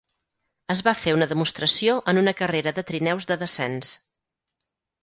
Es va fer una demostració en una carrera de trineus de descens.